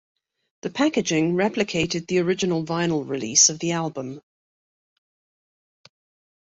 The packaging replicated the original vinyl release of the album.